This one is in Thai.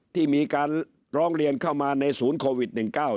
ที่มีการร้องเรียนเข้ามาในศูนย์โควิด๑๙